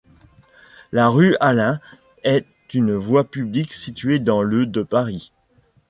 La rue Alain est une voie publique située dans le de Paris.